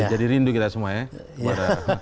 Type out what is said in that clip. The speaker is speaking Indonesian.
jadi rindu kita semua ya